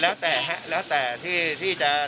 เขาจะทำตอนไหนตอนที่ขับไปเรื่อยหรือตอนที่จะปลอม